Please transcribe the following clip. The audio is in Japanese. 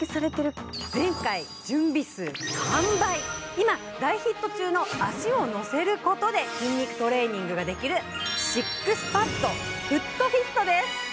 今、大ヒット中の足を乗せることで筋肉トレーニングができるＳＩＸＰＡＤＦｏｏｔＦｉｔです。